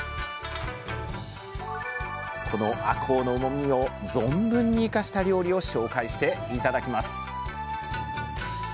このあこうのうまみを存分に生かした料理を紹介して頂きます。